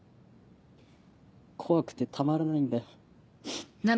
怖くてたまらないんだよ。